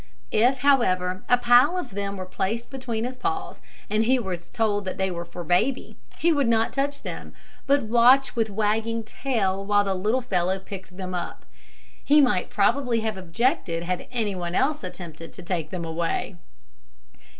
If, however, a pile of them were placed between his paws, and he was told that they were for baby, he would not touch them, but watch with wagging tail while the little fellow picked them up. He might probably have objected had any one else attempted to take them away.